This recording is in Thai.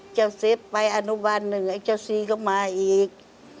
เซฟไปอนุบันหนึ่งไอ้เจ้าซีก็มาอีก